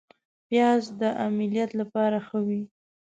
پیاز د املیټ لپاره ښه وي